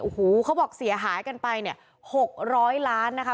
โอ้โหเขาบอกเสียหายกันไปเนี่ย๖๐๐ล้านนะคะ